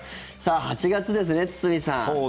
８月ですね、堤さん。